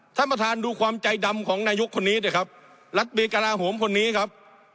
ท่านประธานดูความใจดำของนายกคนนี้นะครับรัฐเวกราโหมคนนี้ครับ